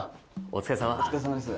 お疲れさまです。